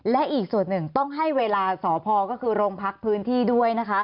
และอีกส่วนหนึ่งต้องให้เวลาสพก็คือโรงพักพื้นที่ด้วยนะคะ